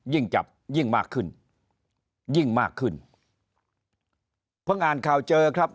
จับยิ่งมากขึ้นยิ่งมากขึ้นเพิ่งอ่านข่าวเจอครับ